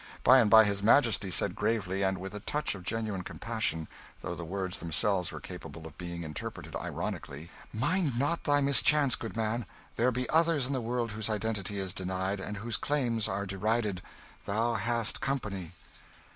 By and by his Majesty said gravely, and with a touch of genuine compassion, though the words themselves were capable of being interpreted ironically "Mind not thy mischance, good man; there be others in the world whose identity is denied, and whose claims are derided. Thou hast company."